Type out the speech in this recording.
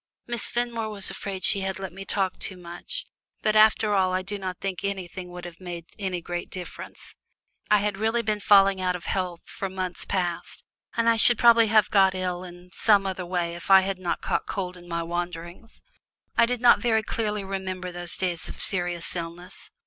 Miss Fenmore was afraid she had let me talk too much, but after all I do not think anything would have made any great difference. I had really been falling out of health for months past, and I should probably have got ill in some other way if I had not caught cold in my wanderings. I do not very clearly remember those days of serious illness.